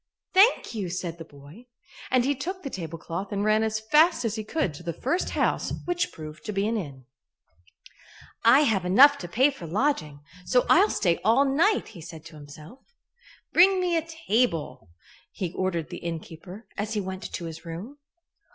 "Thank you!" said the boy, and he took the tablecloth and ran as fast as he could to the first house, which proved to be an inn. "I have enough to pay for lodging, so I'll stay all night," he said to himself. "Bring me a table," he ordered the innkeeper, as he went to his room.